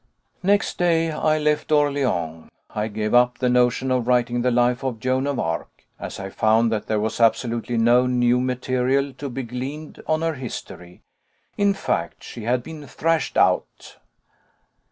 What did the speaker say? Next day I left Orléans. I gave up the notion of writing the life of Joan of Arc, as I found that there was absolutely no new material to be gleaned on her history in fact, she had been thrashed out.